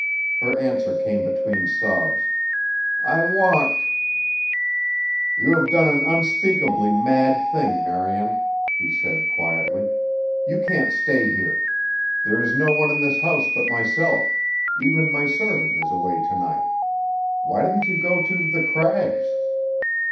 Her answer came between sobs, "I walked." "You have done an unspeakably mad thing, Marian," he said quietly. "You can't stay here. There is no one in this house but myself; even my servant is away to night. Why didn't you go to 'The Crags'?"